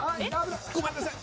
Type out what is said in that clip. ごめんなさい。